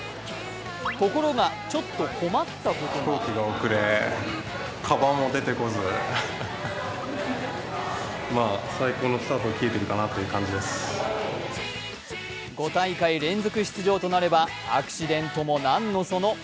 ところがちょっと困ったことが５大会連続出場となればアクシデントもなんのその。